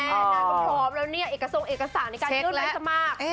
นานก็พร้อมแล้วเนี่ยเอกสรรค์เอกสารในการยุ่นไหลสมัคร